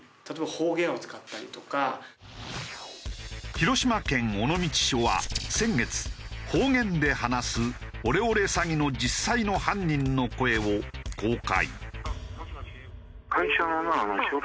広島県尾道署は先月方言で話すオレオレ詐欺の実際の犯人の声を公開。